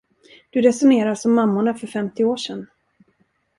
Du resonerar som mammorna för femtio år sen.